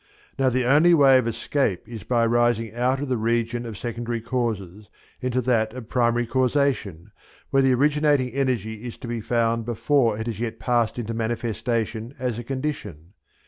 Now the only way of escape is by rising out of the region of secondary causes into that of primary causation, where the originating energy is to be found before it has yet passed into manifestation as a condition.